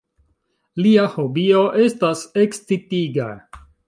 Lia hobio estas ekscitiga.